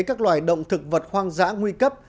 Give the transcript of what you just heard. các loài động thực vật hoang dã nguy cấp